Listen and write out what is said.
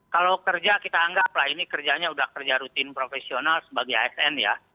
kalau kerja kita anggaplah ini kerjanya udah kerja rutin profesional sebagai asn ya